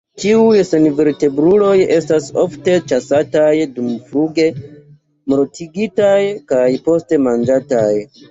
Tiuj senvertebruloj estas ofte ĉasataj dumfluge, mortigitaj kaj poste manĝataj.